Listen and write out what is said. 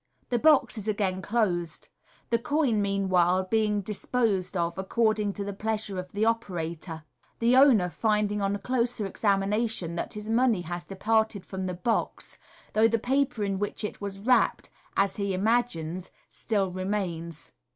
The box is again closed, the coin, meanwhile, being disposed of according to the pleasure of the operator — the owner finding on a closer examination that his money has departed from the box, though the paper in which it was wrapped (as he imagines) still remains.